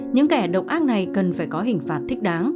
những kẻ độc ác này cần phải có hình phạt thích đáng